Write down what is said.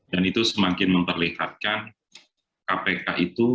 dan itu semakin memperlihatkan kpk itu